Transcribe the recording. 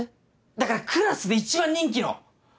だからクラスで一番人気の！